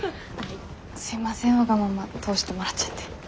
すいませんわがまま通してもらっちゃって。